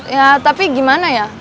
ya tapi gimana ya